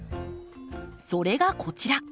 それがこちら。